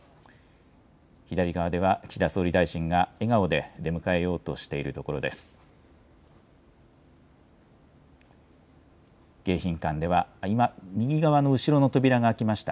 左側では岸田総理大臣が笑顔で出迎えようとしているところです。